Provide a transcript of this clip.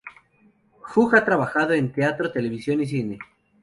Hugh ha trabajado en teatro, televisión y cine.